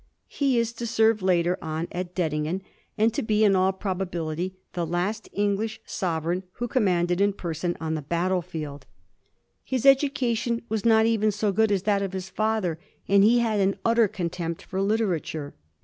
He is to serve later on at Dettingen, and to be in all probability the last English sovereign who commanded in person on the battlefield. His educa Digiti zed by Google 1727 FATHER AND SON. 359 tion was not even so good as that of his father, and he had an utter contempt for literature.